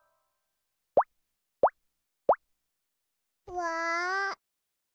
うわ。